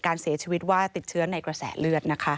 การเสียชีวิตว่าติดเชื้อในกระแสเลือดนะคะ